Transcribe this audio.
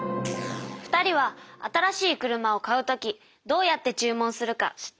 ２人は新しい車を買うときどうやって注文するか知ってる？